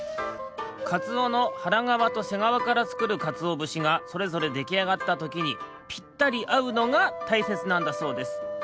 かつおのはらがわとせがわからつくるかつおぶしがそれぞれできあがったときにぴったりあうのがたいせつなんだそうです。